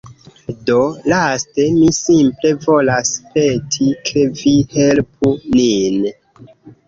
Do, laste mi simple volas peti ke vi helpu nin.